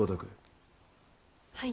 はい。